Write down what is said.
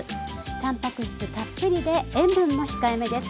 タンパク質たっぷりで塩分も控えめです。